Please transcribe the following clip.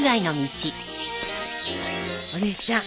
お姉ちゃん